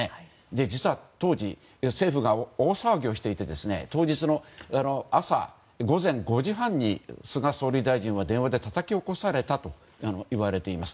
実は、当時政府が大騒ぎをしていて当日の朝、午前５時半に菅総理大臣は電話でたたき起こされたといわれています。